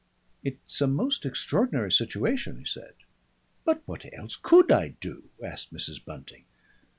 "It's a most extraordinary situation," he said. "But what else could I do?" asked Mrs. Bunting.